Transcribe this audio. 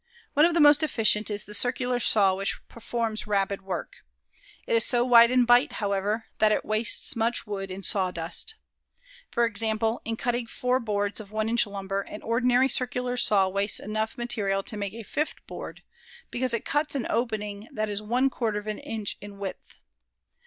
One of the most efficient is the circular saw which performs rapid work. It is so wide in bite, however, that it wastes much wood in sawdust. For example, in cutting four boards of one inch lumber, an ordinary circular saw wastes enough material to make a fifth board, because it cuts an opening that is one quarter of an inch in width.